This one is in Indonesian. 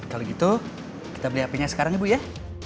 kalau gitu kita beli apinya sekarang ya bu ya